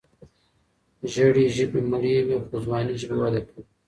زړې ژبې مړې وي، ځوانې ژبې وده کوي.